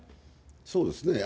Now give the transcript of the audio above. そうですね。